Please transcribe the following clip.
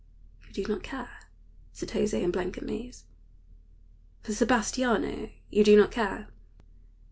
"You do not care," said José, in blank amaze, "for Sebastiano? You do not care?"